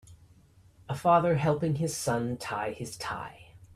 A father helping his son tie his tie.